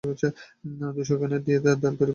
ধূসর গ্রানাইট দিয়ে দেয়াল তৈরি করা হয়েছে।